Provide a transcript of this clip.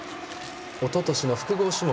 おととしの複合種目